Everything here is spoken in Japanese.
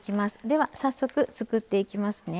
では早速つくっていきますね。